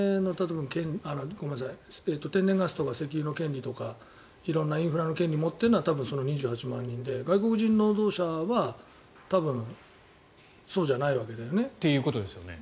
天然ガスとか石油の権利とか色んなインフラの権利を持っているのが多分２８万人で外国人労働者は多分、そうじゃないわけだよね。ということですよね。